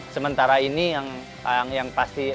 sementara ini yang pasti